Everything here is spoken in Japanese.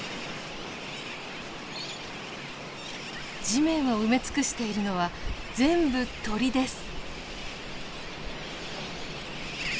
地面を埋め尽くしているのは全部鳥です。